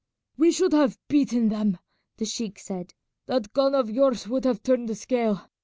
"We should have beaten them," the sheik said. "That gun of yours would have turned the scale.